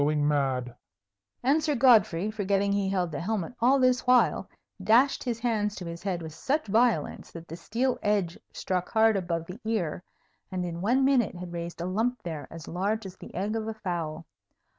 I think I am going mad!" And Sir Godfrey, forgetting he held the helmet all this while, dashed his hands to his head with such violence that the steel edge struck hard above the ear, and in one minute had raised a lump there as large as the egg of a fowl.